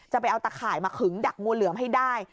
ไปเอาตะข่ายมาขึงดักงูเหลือมให้ได้